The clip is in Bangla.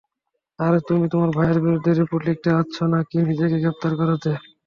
আরে তুমি তোমার ভাইয়ের বিরুদ্ধে রিপোর্ট লিখতে আসছো নাকি নিজেকে গ্রেফতার করাতে?